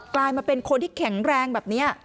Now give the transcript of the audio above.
กลายมาเป็นคนที่แข็งแรงแบบนี้